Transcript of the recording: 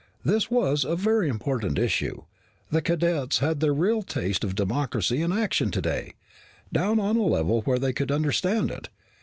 This was a very important issue. The cadets had their real taste of democracy in action today, down on a level where they could understand it.